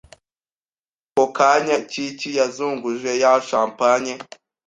Ako kanya Kiki yazunguje ya champanye